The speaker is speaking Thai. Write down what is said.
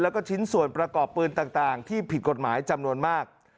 แล้วก็ชิ้นส่วนประกอบปืนต่างที่ผิดกฎหมายจำนวนมาก